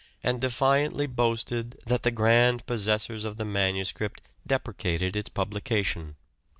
. and defiantly boasted that the grand possessors of the manuscript deprecated its publication."